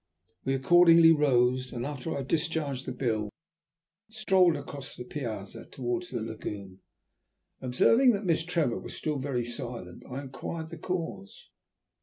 We accordingly rose, and after I had discharged the bill, strolled across the piazza towards the lagoon. Observing that Miss Trevor was still very silent, I inquired the cause.